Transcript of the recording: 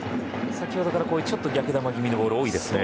先ほどからちょっと逆球気味のボールが多いですね。